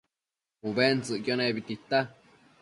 ubentsëcquio nebi tita